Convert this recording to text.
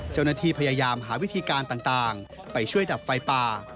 เจ้าหน้าที่พยายามหาวิธีการต่างไปช่วยดับไฟป่า